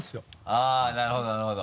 あっなるほどなるほど。